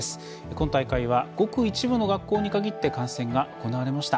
今大会はごく一部の学校に限って観戦が行われました。